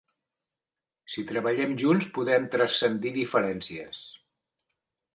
Si treballem junts, podem transcendir diferències.